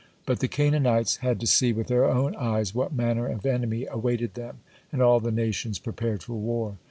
But the Canaanites had to see with their own eyes what manner of enemy awaited them, and all the nations prepared for war.